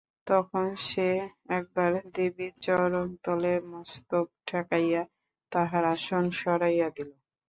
তখন সে একবার দেবীর চরণতলে মস্তক ঠেকাইয়া তাঁহার আসন সরাইয়া দিল।